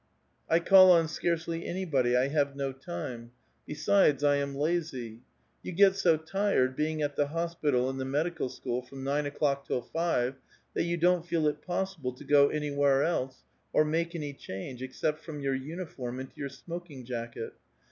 I call on scarcely anybody ; I have no time ; besides, I am lazy. You get so tired, being at the hospital and the medical school from nine o'clock till five, that you don't feel it pos sible to go anywhere else, or make any change, except from your uniform into your smoking jacket.